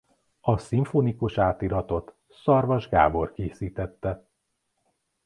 A szimfonikus átiratot Szarvas Gábor készítette.